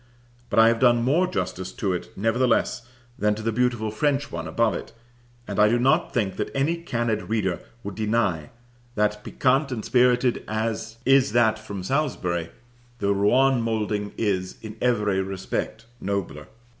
but I have done more justice to it nevertheless than to the beautiful French one above it; and I do not think that any candid reader would deny that, piquant and spirited as is that from Salisbury, the Rouen moulding is, in every respect, nobler.